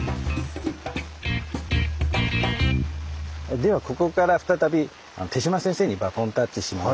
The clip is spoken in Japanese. ではここから再び手島先生にバトンタッチします。